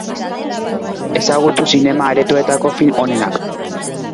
Ezagutu zinema-aretoetako film onenak.